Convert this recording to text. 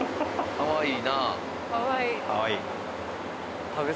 かわいい。